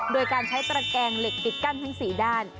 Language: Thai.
โดยการใช้ตระแกงเหล็กปิดกั้นทั้ง๔ด้าน